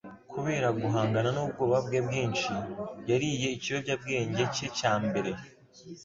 Kubera guhangana nubwoba bwe bwinshi, yariye ikiyobyabwenge cye cya mbere.